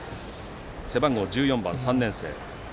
背番号１４番、３年生。